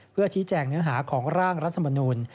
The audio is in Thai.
เพื่อชี้แจงเนื้อหาของร่างรัฐมนูล